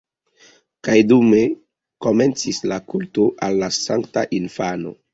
Kaj dume komencis la kulto al la sankta infano.